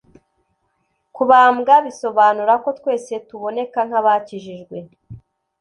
Kubambwa bisobanura ko twese tuboneka nk’abakijijwe